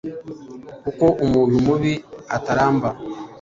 kuko umuntu mubi ataramba